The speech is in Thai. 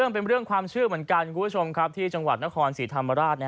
เป็นเรื่องความเชื่อเหมือนกันครับต่างในจังหวัฏนครศรีธรรมดาศ